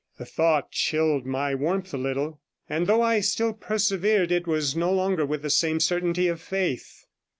The thought chilled my warmth a little, and though I still persevered, it was no longer with the same certainty of faith.